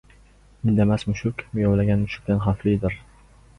• Indamas mushuk miyovlagan mushukdan xavflidir.